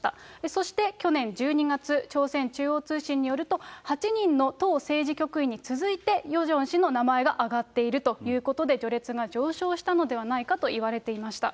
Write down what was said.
そして去年１２月、朝鮮中央通信によると、８人の党政治局員に続いて、ヨジョン氏の名前が挙がっているということで、序列が上昇したのではないかといわれていました。